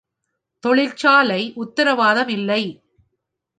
தொழிற்சாலை உத்திரவாதம் இல்லை.